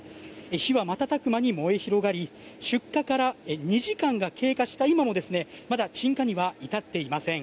火は瞬く間に燃え広がり出火から２時間が経過した今もまだ鎮火には至っていません。